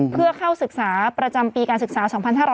เพื่อเข้าศึกษาประจำปีการศึกษา๒๕๕๙